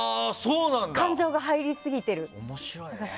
感情が入りすぎてるって。